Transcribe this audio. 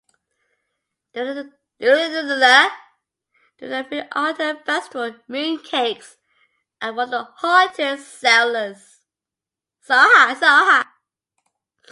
During the Mid-Autumn Festival, moon cakes are one of the hottest sellers.